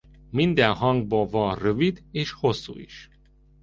Minden hangból van rövid és hosszú is.